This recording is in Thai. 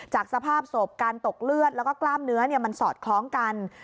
สภาพศพการตกเลือดแล้วก็กล้ามเนื้อมันสอดคล้องกัน